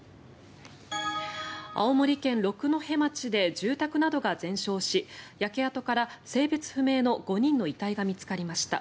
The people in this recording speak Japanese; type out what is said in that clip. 青森県六戸町で住宅などが全焼し焼け跡から、性別不明の５人の遺体が見つかりました。